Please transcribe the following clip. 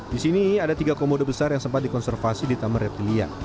di sini ada tiga komodo besar yang sempat dikonservasi di taman reptilia